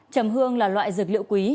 trầm hương là loại dược liệu quý